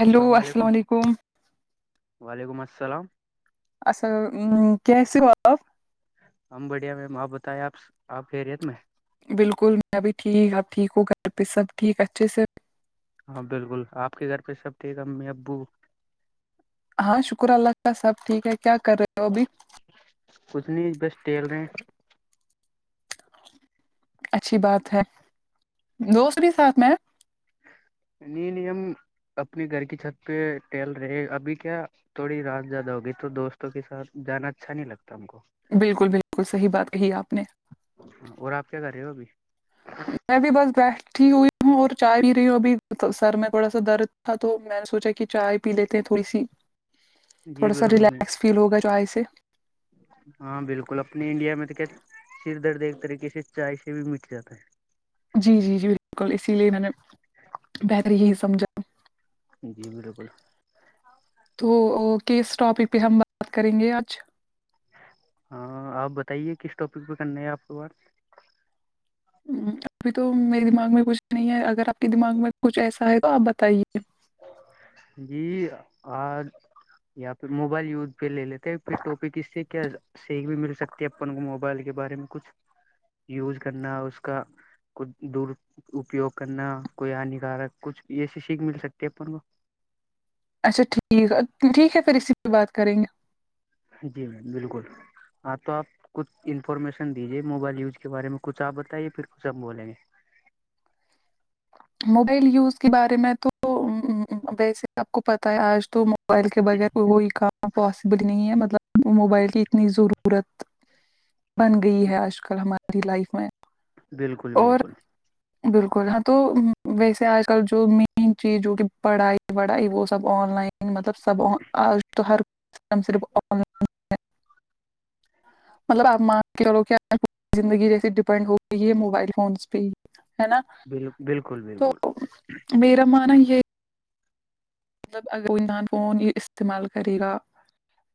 السلام علیکم وعلیکم السلام اصل مم کیسے ہو آپ ہم بڑھیا میم آپ بتائیں آپ آپ خیریت میں بالکل میں بھی ٹھیک اب ٹھیک ہوں گھر پہ سب ٹھیک اچھے سے ہاں بالکل آپ کے گھر پہ سب ٹھیک امی ابو ہاں شکر اللہ کا سب ٹھیک ہے کیا کر رہے ہو ابھی کچھ نہیں بس ٹیل رہے ہیں اچھی بات ہے دوست بھی ساتھ میں نہیں نہیں ہم اپنے گھر کی چھت پہ ٹہل رہے ابھی کیا تھوڑی رات زیادہ ہوگی تو دوستوں کے ساتھ جانا اچھا نہیں لگتا ہم کو بالکل بالکل صحیح بات کہی آپ نے اور آپ کیا کر رہے ہو ابھی میں بھی بس بیٹھی ہوئی ہوں اور چائے پی رہی ہوں ابھی سر میں تھوڑا سا درد تھا تو میں نے سوچا کہ چائے پی لیتے ہیں تھوڑی سی جی تھوڑا سا بالکل ریلیکس میم، فیل ہوگا چاۓ سے ہاں بالکل اپنے انڈیا میں تو کیا سر درد ایک طریقے سے چائے سے بھی مٹ جاتا ہے جی جی جی بالکل اسی لیے میں نے بہتر یہی سمجھا جی بالکل تو کس ٹاپک پہ ہم بات کریں گے آج ہاں آپ بتائیے کس ٹاپک پہ کرنا ہے آپ کو بات ابھی تو میرے دماغ میں کچھ نہیں ہے اگر آپ کے دماغ میں کچھ ایسا ہے تو آپ بتائیے جی اور یہاں پہ موبائل یوز پھر لے لیتے ہیں پھر ٹاپک اس سے کیا سیکھ بھی مل سکتی ہے اپن کو موبائل کے بارے میں کچھ یوز کرنا اس کا کچھ دراپیوگ کرنا کوئی ہانیکارک کچھ یہ سیکھ مل سکتی ہے اپن کو اچھا ٹھیک ہے ٹھیک ہے پھر اسی پہ بات کریں گے جی میم بالکل ہاں تو آپ کچھ انفارمیشن دیجیے موبائل یوز کے بارے میں کچھ آپ بتائیے پھر کچھ ہم بولیں گے موبائل یوز کے بارے میں تو ہ ویسے آپ کو پتا ہے آج تو موبائل کے بغیر کوئی کام پوسبل نہیں ہے مطلب موبائل کی اتنی ضرو رت بن گئی ہے آج کل ہماری لائف میں بالکل اور بالکل بالکل ہاں تو ویسے آج کل جو مین چیز جو کہ پڑھائی وڑھائی وہ سب آن لائن مطلب سب آج تو ہر کام صرف آن لائن مطلب آپ مان کے چلو کے زندگی جیسے ڈپینڈ ہوتی ہے موب موبائل فونس بھی ہے نا بالل بالکل تو بالکل میرا منا یہ مطلب اگر موبائل فون یہ استعمال کرے گا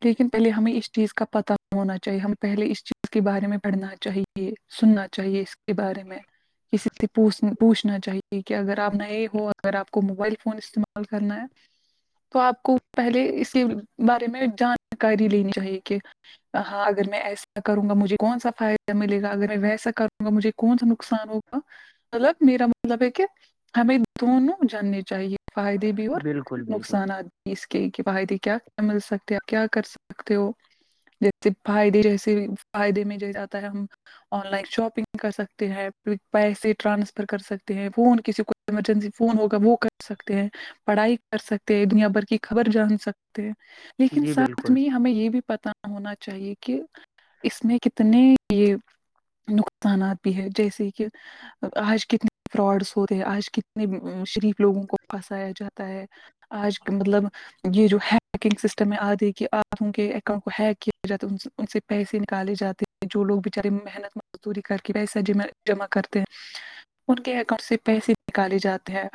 لیکن پہلے ہمیں اس چیز کا پتا ہونا چاہیے ہمیں پہلے اس چیز کے بارے میں پڑھنا چاہیے یہ سننا چاہیے اس بارے میں کسی سے پوچھ پوچھنا چاہیے کہ اگر آپ نئے ہو اگر آپ کو موبائل فون استعمال کرنا ہے تو آپ کو پہلے اسی بارے میں جانکاری لینی چاہیے کہ ہاں اگر میں ایسا کروں گا مجھے کون سا فائدہ ملے گا اگر میں ویسا کروں گا مجھے کونسا نقصان ہوگا مطلب میرا مطلب ہے کہ ہمیں دونوں جاننے چاہیے فائدے بھی اور بالکل بالکل نقصانات اس کے فائدے کیا مل سکتے ہو کیا کر سکتے ہو [unintelligible] آن لائن شاپنگ کر سکتے ہیں پیسے ٹرانسفر کر سکتے ہیں فون کسی کو ایمرجنسی فون ہوگا وہ کر سکتے ہیں پڑھائی کر سکتے ہیں دنیا بھر کی خبر جان سکتے لیکن جی ساتھ بالکل میں ہمیں یہ بھی پتہ ہونا چاہیے کہ اس میں کتنے یہ نقصانات بھی ہے جیسے کہ آج کتنے فراڈس ہوتے ہیں آج کتنے شریف لوگوں کو پھنسایا جاتا ہے آج کا مطلب یہ جو ہیکنگ سسٹم ہے آدی کہ آپوں کے اکاؤنٹ کو ہیک کیا جاتا ان سے پیسے نکالے جاتے جو لوگ بچارے محنت مزدوری کر کے پیسہ جمع کرتے ہیں ان کے اکاؤنٹ سے پیسے نکالے جاتے ہیں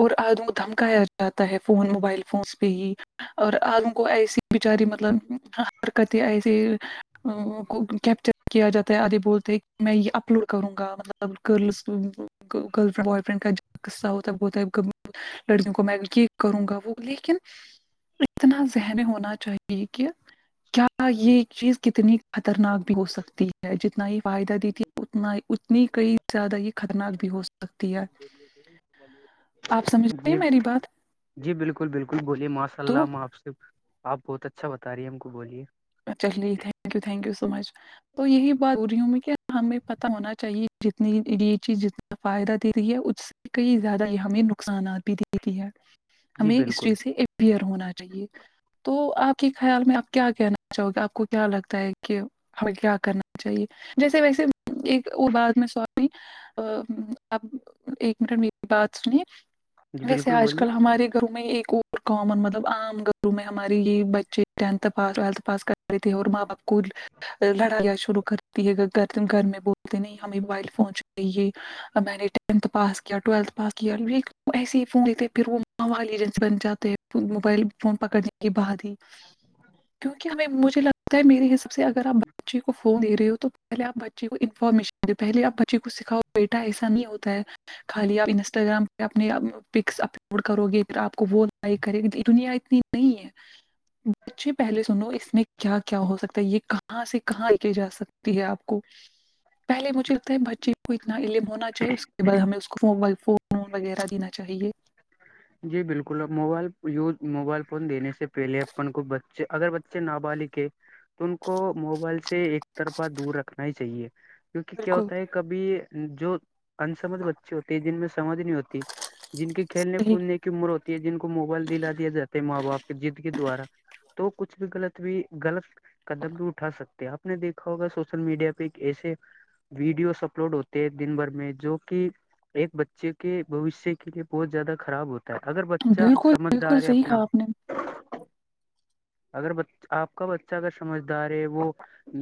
اور آدھو کو دھمکایا جتا ہے فون موبائل فونس پہ ہی اور عالم کو ایسی بچاری مطلب حرکت ایسی کو کیپچر کیا جاتا ہے آدھے بولتے میں یہ اپلوڈ کروں گا مطلب کرلس گرل فنڈ بوائے فرینڈ کا جو قصہ ہوتا ہے بتا لڑکیوں کو م کہ کروں گا وہ لیکن اتنا ذہن ہونا چاہیے کہ کیا یہ چیز کتنی خطرناک بھی ہو سکتی ہے جتنا ہی فائدہ دیتی ہے اتنا اتنی کئی زیادہ یہ خطرناک بھی ہو سکتی ہے آپ سمجھتے ہیں جی میری بات جی بالکل بالکل بولیے ماشاء اللہ تو ہم آپ سے آپ بہت اچھا بتا رہی ہے ہم کو بولیے چلیے thank you thank you so much تو یہی بات ہو رہی ہوں میں کہ ہمیں پتا ہونا چاہیے جتنی یہ چیز جتنا فائدہ دے رہی ہے اس سے کئی زیادہ یہ ہمیں نقصانات بھی دیتی ہے جی ہمیں اس بالکل چیز سے اپپیر ہونا چاہیے تو آپ کے خیال میں آپ کیا کہنا اچھا ہوتا گ آپ کو کیا لگتا ہے کہ ہمیں کیا کرنا چاہیے جیسے ویسے ایک اور بات میں سی ا اب ایک منٹ میری بات سنی جی ویسے بالکل آج بولیے کل ہمارے گھروں میں ایک اور اور کامن مطلب عام گھروں میں ہماری یہ بچے ٹینتھ پاس ٹویلتھ پاس کر تے اور ماں باپ کو لڑائی شروع کر ختم کرنے بولتے نہیں ہمیں موبائل فون چاہیے یہ میں نے ٹینتھ پاس کیا ٹویلتھ پاس کیا یہ ایسے ہی فون تھے پھر وہ اں والی ایجنسی بن جاتے ہے موبائل فون پکڑنے کے بعد ہی کیونکہ ہمیں مجھے لگتا ہے میرے حساب سے اگر آپ بچے کو فون دے رہے ہو تو پہلے آپ بچے کو انفارمیشن پہلے آپ بچے کو سکھاؤ بیٹا ایسا نہیں ہوتا ہے خالی آپ انسٹاگرام پہ اپنے پکس اپلوڈ کرو گے پھر آپ کو وہ لائک کرے گی دنیا اتنی [unintelligible] پہلے سنو اس میں کیا کیا ہو سکتا ہے یہ کہاں سے کہاں لے کے جا سکتی ہے آپ پہلے مجھے لگتا ہے بچے کو اتنا علم ہونا چاہے اس کے بعد ہم اس کو موبائل فون وغیرہ دینا چاہیے جی بالکل موبائل یوز موبائل فون دینے سے پہلے اپن کو بچے اگر بچے نا بالغ ہے تو ان کو موبائل سے ایک طرفہ دور رکھنا ہی چاہیے کیونکہ کیا بالکل ہوتا ہے کب بھی جو ان سمجھ بچے ہوتے ہیں جن میں سمجھ نہیں ہوتی جن کے کھیلنے صحیح کودنے کی کی عمر ہوتی ہے جن کو موبائل دلا دیا جاتا ہے ماں باپ کی جد کے دوارا تو کچھ بھی غلط بھی غلط قدم بھی اٹھا سکتے آپ نے دیکھا ہوگا سوشل میڈیا پہ ایک ایسے ویڈیوز اپلوڈ ہوتے ہیں دن بھر میں جو کہ ایک بچے کے بھوش کے لیے بہت زیادہ خراب ہوتا ہے اگر بچہ بالکل بالکل سمجھدار ہے صحیح اپنا کہا آپ نے اگر بچ آپ کا بچہ اگر سمجھدار ہے وہ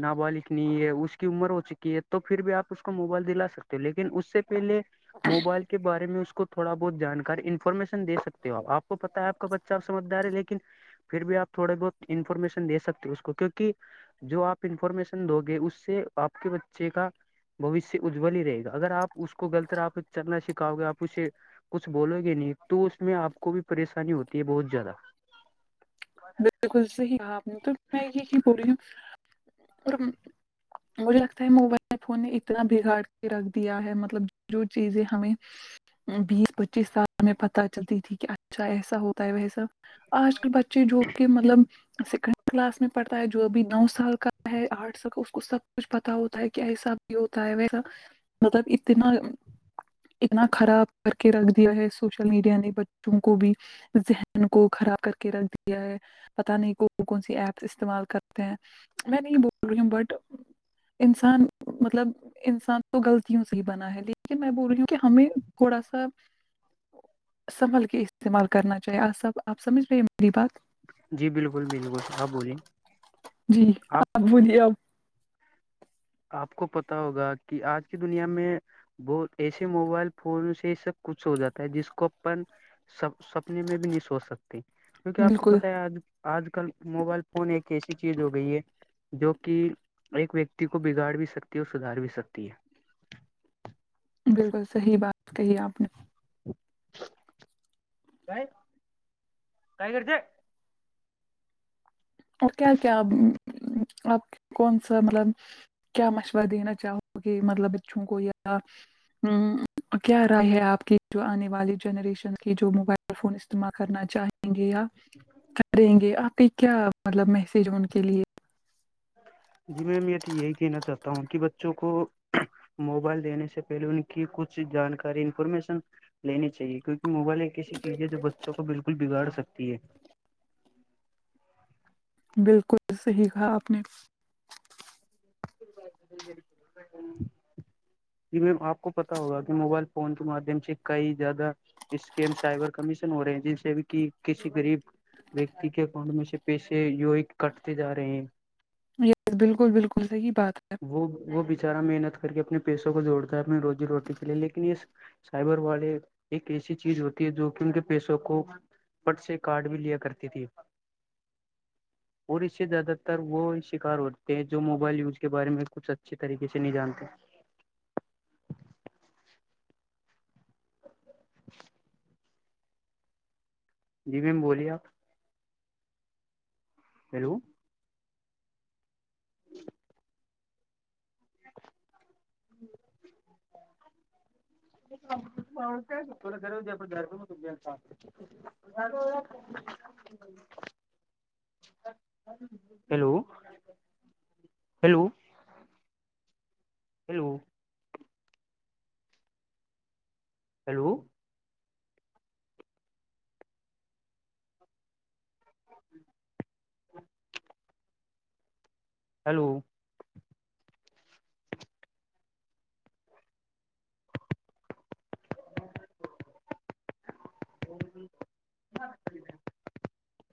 نابالغ نہیں ہے اس کی عمر ہو چکی ہے تو پھر بھی آپ اس کو موبائل دلا سکتے ہو لیکن اس سے پہلے موبائل کے بارے میں اس کو تھوڑا بہت جانکاری انفارمیشن دے سکتے ہو آپ کو پتا ہے آپ کا بچہ اب سمجھدار ہے لیکن پھر بھی آپ تھوڑے بہت انفارمیشنے سکتے اس کو کیونکہ جو آپ انفارمیشن دو گے اس سے آپ کے بچے کا بوشیہ اجول ہی رہے گا اگر اپ اس کو غلط رح پے سے چلنا سکھاؤ گے آپ اسے کچھ بولو گے نہیں تو اس میں آپ کو بھی پریشانی ہوتی ہے بہت جیادہ بالکل صحی حکہا آپ نے تو میں یہ ہی بول رہی ہوں اور مجھے لگتا ہے موبائل فون نے اتنا بگاڑ کے رکھ دیا ہے مطلب جو چیزیں ہمیں بیس پچیس سال میں پتہ چلتی تھی کہ اچھا ایسا ہوتا ہے ویسا آج کل بچے جو کہ مطلب سیکنڈ کلاس میں پڑھتا ہے جو ابھی نو سال کا ہے آٹھ سا کا اس کو سب کچھ پتا ہوتا ہے کہ ایسا بھی ہوتا ہے ویسا مطلب اتنا اتنا خراب کے رکھ دیا ہے سوشل میڈیا نے بچوں کو بھی ذہن کو خراب کر کے رکھ دیا ہے پتا نہیں کون کون سی ایپس استعمال کرتے ہیں میں نہیں بول رہی ہوں بٹ انسان مطلب انسان تو غلطیوں سے ہی بنا ہے لیکن میں بول رہی ہوں کہ ہمیں تھوڑا سا سنبھل کے استعمال کرنا چاہیے آ سب آپ سمجھ رہے ہیں میری بات جی بالکل بالکل آپ بولیے جی آپ بولیے اب آپ کو پتا ہوگا کہ آج کی دنیا میں وہ ایسے موبائل فون سے سب کچھ ہو جاتا ہے جس کو اپن سا سپنے میں بھی نہیں سوچ سکتی کیونکہ آپ کو بالکل پتاہ ہے آج آج کل موبائل فون ایک ایسی چیز ہو گئی ہے جو کہ ایک ویک دے کو بگاڑ بھی سکتی ہے اور سدھار بھی سکتی ہے بالکل صحیح بات کہی آپ نے ا باے کائی کرتے اور کیا کیا آپ کون سا مطلب کیا مشورہ دینا چاہو گے مطلب بچوں کو یا ہمم کیا رائے ہے آپ کی جو آنے والی جنریشن کی جو موبائل ایئر فون استعمال کرنا چاہیں گے یا کریں گے آپ کے کیا مطلب میسج ہے ان کے لیے جی میںم یہ تو یہی کہنا چاہتا ہوں کہ بچوں کو موبائل دینے سے پہلے ان کی کچھ جانکاری انفارمیشن لینی چاہیے کیونکہ موبائل ایک ایسی چیز ہے جو بچوں کو بالکل بگاڑ سکتی ہے بالکل صحیح کہا آپ نے ہے جی میم آپ کو پتا ہوگا کہ موبائل فون کے مادھیم سے کئی زیادہ اسکیم سائبر کمیشن ہو رہے ہیں جن سے بھی کہ کسی غریب ویکتی کے اکاؤنٹ میں سے پیسے یوی کاٹتے جا رہے ہیں بالکل بالکل صحیح بات ہے وہ وہ بچارا محنت کر کے اپنے پیسوں کو جوڑتا ہے اپنی روزی روٹی کے لیے لیکن اس سائبر والے ایک ایسی چیز ہوتی ہے جو کہ ان کے پیسوں کو پٹ سے کارڈ بھی لیا کرتی تھی اور اس سے زیادہ تر وہ شکار ہوتے ہیں جو موبائل یوز کے بارے میں کچھ اچھے طریقے سے نہیں جانتے جی میم بولیے آپ hello [unintelligible] [unintelligible] [unintelligible] hello hello hello hello hello [unintelligible]